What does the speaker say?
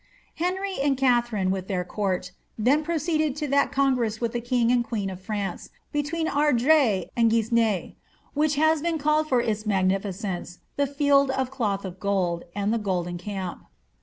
Henry and Katharine, with dieir court, then proceeded to that congress with the king and queen of France, between Ardres and Guisnes, which has been called for its magnificence the Field of Cloth of Gold and the Golden Camp.